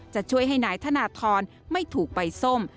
จะช่วยให้นายธนทรไม่ถูกใบส้ม